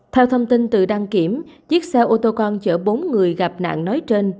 theo thông tin từ đăng kiểm chiếc xe ô tô con chở bốn người gặp nạn nói trên